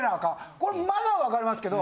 これまだわかりますけど。